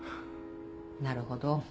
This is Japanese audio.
なるほど。